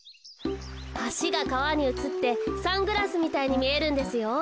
はしがかわにうつってサングラスみたいにみえるんですよ。